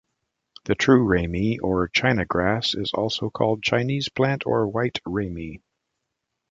The true ramie or China grass, is also called Chinese plant or white ramie.